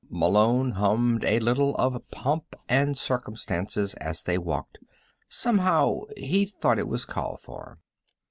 Malone hummed a little of "Pomp and Circumstance" as they walked; somehow, he thought it was called for.